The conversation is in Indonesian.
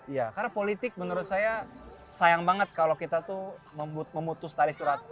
ya karena politik menurut saya sayang banget kalau kita tuh memutus tali surat